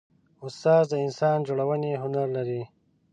استاد د انسان جوړونې هنر لري.